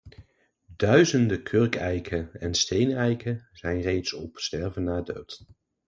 Duizenden kurkeiken en steeneiken zijn reeds op sterven na dood.